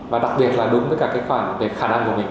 và đặc biệt là đúng với cả cái khoản về khả năng của mình